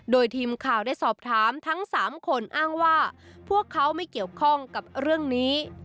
โดยทีมข่าวได้สอบถามทั้ง๓คนอ้างว่าพวกเขาไม่เกี่ยวข้องกับเรื่องนี้